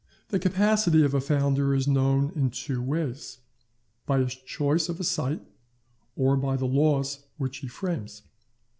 The capacity of a founder is known in two ways: by his choice of a site, or by the laws which he frames.